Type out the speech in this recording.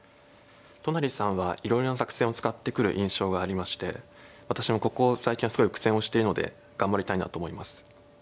都成さんはいろいろな作戦を使ってくる印象がありまして私もここ最近はすごい苦戦をしているので頑張りたいなと思います。